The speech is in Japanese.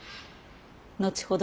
後ほど